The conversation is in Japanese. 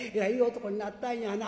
男になったんやな。